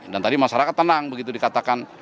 dan tadi masyarakat tenang begitu dikatakan